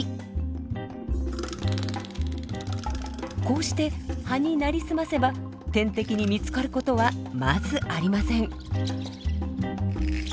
こうして葉に成り済ませば天敵に見つかることはまずありません。